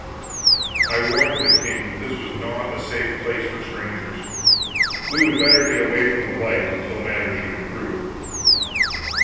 I warned the king that this was not a safe place for strangers. We would better get away from the light, until matters should improve.